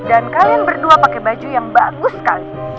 dan kalian berdua pake baju yang bagus kan